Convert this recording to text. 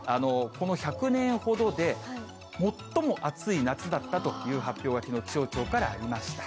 この１００年ほどで、最も暑い夏だったという発表がきのう、気象庁からありました。